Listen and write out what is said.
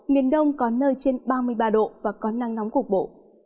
miền đông có nơi trên ba mươi ba độ và có nắng nóng cục bộ